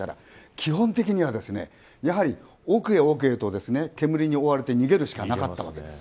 基本的には、やはり奥へ奥へと煙に追われて逃げるしかなかったわけです。